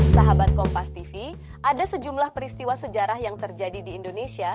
sahabat kompas tv ada sejumlah peristiwa sejarah yang terjadi di indonesia